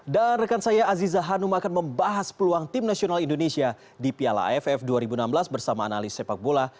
dan rekan saya aziza hanum akan membahas peluang tim nasional indonesia di piala aff dua ribu enam belas bersama analis sepak bola